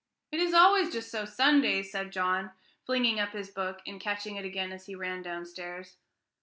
"It is always just so Sundays," said John, flinging up his book and catching it again as he ran downstairs.